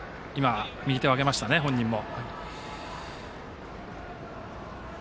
右手を上げましたね、本人も。